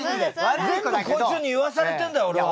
全部こいつに言わされてんだよ俺は。